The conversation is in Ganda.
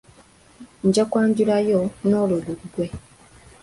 Nja kwanjulayo n'olwo luggwe!